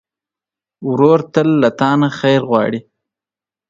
ورور تل له تا نه خیر غواړي.